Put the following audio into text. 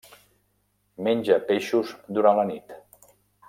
Menja peixos durant la nit.